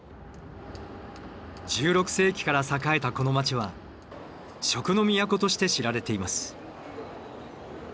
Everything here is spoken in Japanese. １６世紀から栄えたこの街は食の都として知られています。